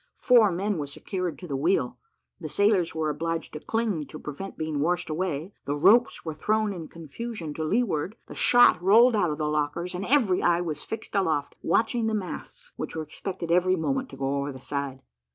Four men were secured to the wheel the sailors were obliged to cling, to prevent being washed away the ropes were thrown in confusion to leeward the shot rolled out of the lockers, and every eye was fixed aloft, watching the masts, which were expected every moment to go over the side.